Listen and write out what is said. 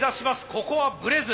ここはぶれず。